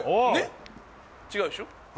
違うでしょ。